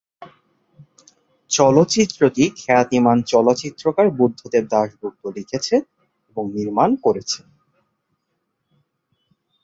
চলচ্চিত্রটি খ্যাতিমান চলচ্চিত্রকার বুদ্ধদেব দাশগুপ্ত লিখেছেন এবং নির্মাণ করেছেন।